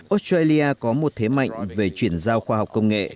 australia có một thế mạnh về chuyển giao khoa học công nghệ